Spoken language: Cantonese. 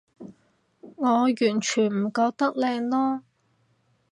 我完全唔覺得靚囉